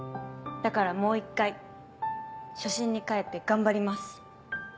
だからもう一回初心に帰って頑張ります。